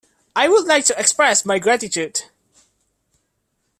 I would like to express my gratitude.